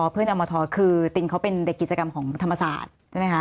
อมทคือตินเขาเป็นเด็กกิจกรรมของธรรมศาสตร์ใช่ไหมคะ